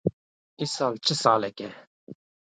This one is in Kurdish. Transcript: Îsal çi saleke